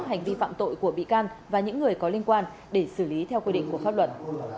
hành vi phạm tội của bị can và những người có liên quan để xử lý theo quy định của pháp luật